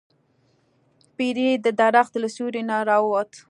پیری د درخت له سوری نه راووت.